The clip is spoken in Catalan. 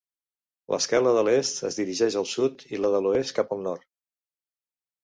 L'escala de l'est es dirigeix al sud i la de l'oest cap al nord.